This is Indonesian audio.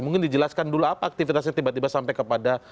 mungkin dijelaskan dulu apa aktivitasnya tiba tiba sampai kepada